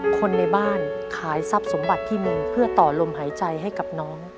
คนในบ้านขายทรัพย์สมบัติที่มือเพื่อต่อลมหายใจให้กับน้อง